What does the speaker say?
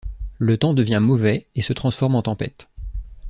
Le temps devient mauvais et se transforme en tempête.